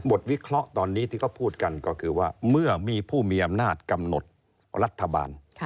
วิเคราะห์ตอนนี้ที่เขาพูดกันก็คือว่าเมื่อมีผู้มีอำนาจกำหนดรัฐบาล